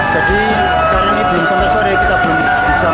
jadi hari ini belum sampai sore kita bisa mengejirakan